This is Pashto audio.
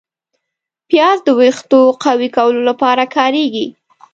پیاز د ویښتو قوي کولو لپاره کارېږي